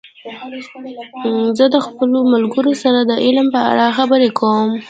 زه د خپلو ملګرو سره د علم په اړه خبرې کوم.